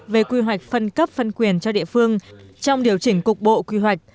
về quy hoạch phân cấp phân quyền cho địa phương trong điều chỉnh cục bộ quy hoạch